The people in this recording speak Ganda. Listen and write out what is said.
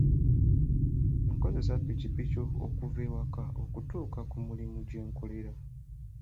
Nakozesa ppikipiki okuva ewaka okutuuka ku mulimu gye nkolera.